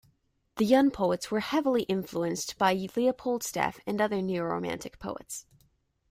The young poets were heavily influenced by Leopold Staff and other neoromantic poets.